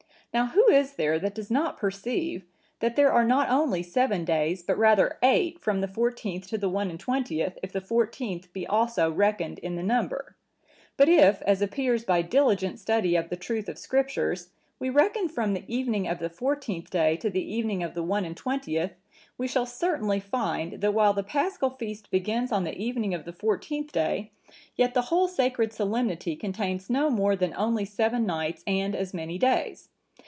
Now, who is there that does not perceive, that there are not only seven days, but rather eight, from the fourteenth to the one and twentieth, if the fourteenth be also reckoned in the number? But if, as appears by diligent study of the truth of the Scriptures, we reckon from the evening of the fourteenth day to the evening of the one and twentieth, we shall certainly find, that, while the Paschal feast begins on the evening of the fourteenth day, yet the whole sacred solemnity contains no more than only seven nights and as many days.